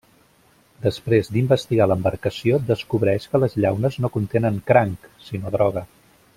Després d'investigar l'embarcació, descobreix que les llaunes no contenen cranc, sinó droga.